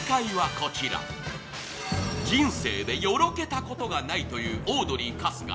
人生でよろけたことがないというオードリー・春日。